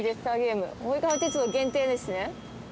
大井川鐵道限定ですね。